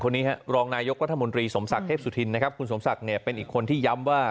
คนนี้ฮะรองนายกรัฐมนตรีสมศักดิ์เทพสุธินนะครับคุณสมศักดิ์เนี่ยเป็นอีกคนที่ย้ำว่า